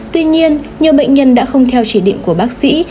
tuy nhiên nhiều bệnh nhân đã không theo chỉ định của bác sĩ